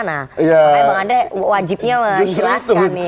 nah memang ada wajibnya menjelaskan nih